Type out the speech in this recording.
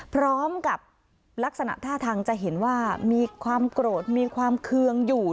พร้อมกับลักษณะท่าทางจะเห็นว่ามีความโกรธมีความเคืองอยู่